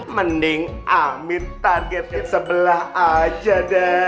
mending amin target sebelah aja dah